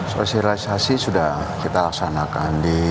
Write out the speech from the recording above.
sosialisasi sudah kita laksanakan